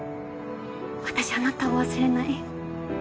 私あなたを忘れない。